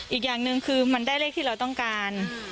อีกอย่างหนึ่งคือมันได้เลขที่เราต้องการ